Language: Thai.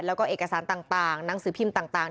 แล้วก็เอกสารต่างหนังสือพิมพ์ต่าง